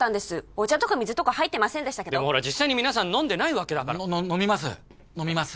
お茶とか水とか入ってませんでしたけどでもほら実際に皆さん飲んでないわけだから飲みます飲みます